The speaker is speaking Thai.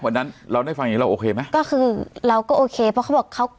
วันนั้นเราได้ฟังอย่างงี้เราโอเคไหมก็คือเราก็โอเคเพราะเขาบอกเขา